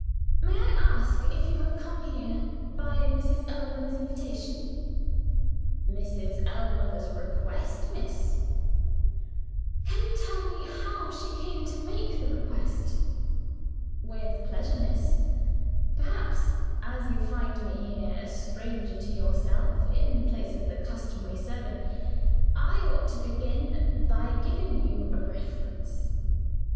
"May I ask if you have come here by Mrs. Ellmother's invitation?" "By Mrs. Ellmother's request, miss." "Can you tell me how she came to make the request?" "With pleasure, miss. Perhaps as you find me here, a stranger to yourself, in place of the customary servant I ought to begin by giving you a reference."